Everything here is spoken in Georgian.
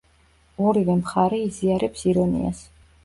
ორივე მხარე იზიარებს ირონიას.